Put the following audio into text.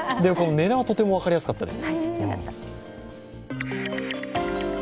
値段はとても分かりやすかったです。